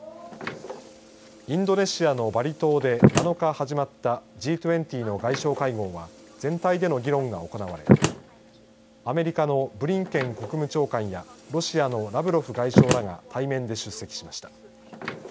インドネシアのバリ島で７日始まったＧ２０の外相会合は全体での議論が行われアメリカのブリンケン国務長官やロシアのラブロフ外相らが対面で出席しました。